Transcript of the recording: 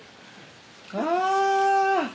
あ！